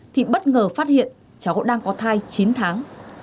thì bất ngờ phát hiện cháu đang có thai chín tháng